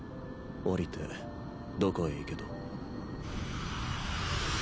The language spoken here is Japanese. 降りてどこへ行けと？